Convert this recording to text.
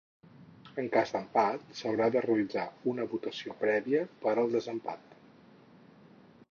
En cas d’empat, s’haurà de realitzar una votació prèvia per al desempat.